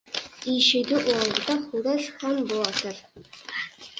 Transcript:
• Eshigi oldida xo‘roz ham botir.